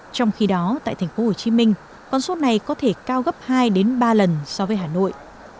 trong khi đó tại thành phố hồ chí minh con số này có thể cao gấp hai đến ba lần so với hà nội